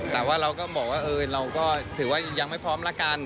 แต่ว่าเราก็บอกว่าเราก็ถือว่ายังไม่พร้อมละกัน